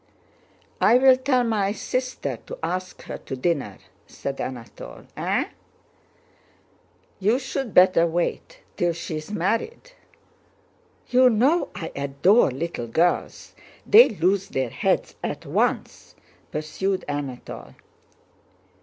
"I will tell my sister to ask her to dinner," said Anatole. "Eh?" "You'd better wait till she's married...." "You know, I adore little girls, they lose their heads at once," pursued Anatole.